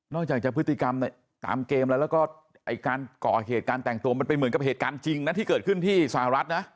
จากจะพฤติกรรมตามเกมแล้วแล้วก็การก่อเหตุการแต่งตัวมันเป็นเหมือนกับเหตุการณ์จริงนะที่เกิดขึ้นที่สหรัฐนะ